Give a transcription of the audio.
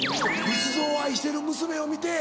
仏像を愛してる娘を見て。